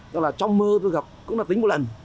tức là trong mơ tôi gặp cũng là tính một lần